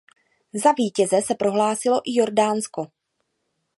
Za vítěze se prohlásilo i Jordánsko.